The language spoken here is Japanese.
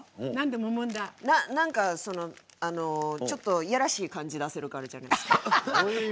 なんかちょっと嫌らしい感じ出せるからじゃないですか？